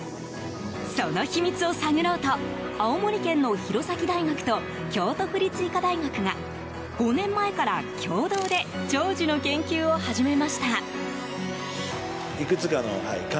その秘密を探ろうと青森県の弘前大学と京都府立医科大学が５年前から共同で長寿の研究を始めました。